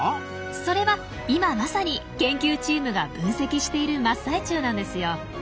それは今まさに研究チームが分析している真っ最中なんですよ。